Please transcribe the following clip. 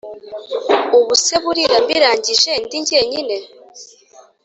Ubuse burira mbirangije ndi ngenyine